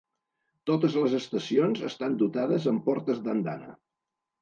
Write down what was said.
Totes les estacions estan dotades amb portes d'andana.